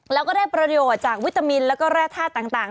แล้วก็ได้ประโยชน์จากวิตามินแล้วก็แร่ธาตุต่าง